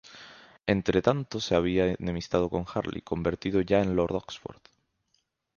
Entretanto se había enemistado con Harley, convertido ya en lord Oxford.